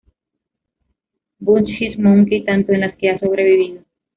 Buddhist Monkey tanto en las que ha sobrevivido.